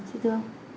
xin thưa ông